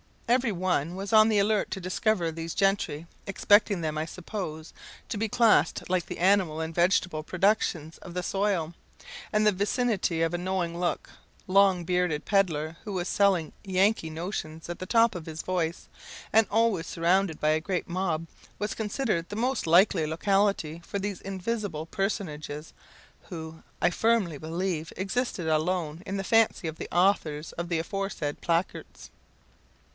Every one was on the alert to discover these gentry expecting them, I suppose, to be classed like the animal and vegetable productions of the soil; and the vicinity of a knowing looking, long bearded pedlar, who was selling Yankee notions at the top of his voice, and always surrounded by a great mob, was considered the most likely locality for these invisible personages, who, I firmly believe, existed alone in the fancy of the authors of the aforesaid placards.